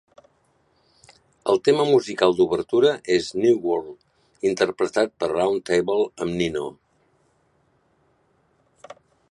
El tema musical d'obertura és "New World", interpretat per Round Table amb Nino.